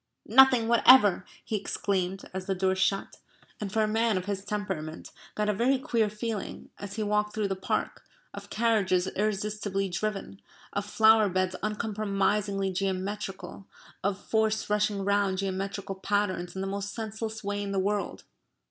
"Nothing whatever!" he exclaimed, as the door shut, and, for a man of his temperament, got a very queer feeling, as he walked through the park, of carriages irresistibly driven; of flower beds uncompromisingly geometrical; of force rushing round geometrical patterns in the most senseless way in the world.